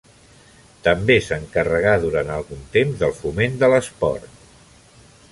També s'encarregà durant algun temps del foment de l'esport.